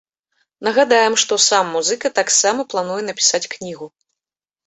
Нагадаем, што сам музыка таксама плануе напісаць кнігу.